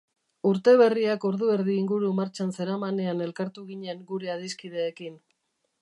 Urte berriak ordu erdi inguru martxan zeramanean elkartu ginen gure adiskideekin.